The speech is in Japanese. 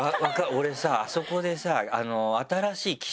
俺さあそこでさ。